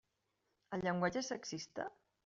El llenguatge és sexista?